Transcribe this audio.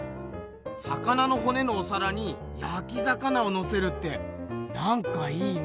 魚のほねのおさらにやき魚をのせるってなんかいいね。